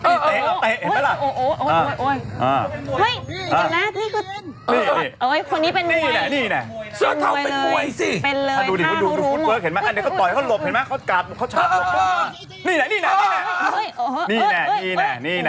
นี่แหละสรุปใครหาเรื่องใครก่อน